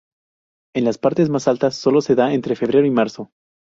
En las partes más altas solo se da entre febrero y marzo.